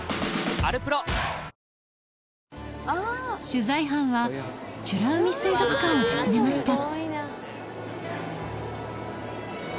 取材班は美ら海水族館を訪ねました